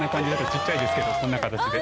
小っちゃいですけどこんな形で。